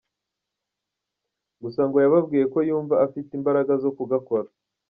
Gusa ngo yababwiye ko yumva afite imbaraga zo kugakora.